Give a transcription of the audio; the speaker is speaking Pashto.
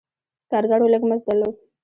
کارګرو لږ مزد درلود.